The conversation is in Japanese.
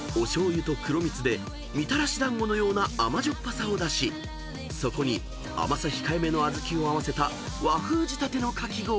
［お醤油と黒蜜でみたらし団子のような甘じょっぱさを出しそこに甘さ控えめの小豆を合わせた和風仕立てのかき氷］